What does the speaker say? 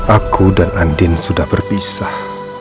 aku dan andin sudah berpisah